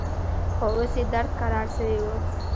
خو اوس يې درد کرار سوى و.